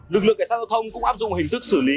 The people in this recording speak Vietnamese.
lực lượng cảnh sát giao thông cũng áp dụng hình thức xử lý